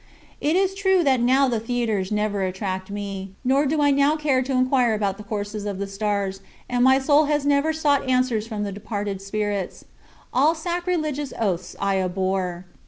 It is true that now the theaters never attract me, nor do I now care to inquire about the courses of the stars, and my soul has never sought answers from the departed spirits. All sacrilegious oaths I abhor.